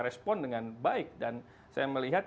respon dengan baik dan saya melihat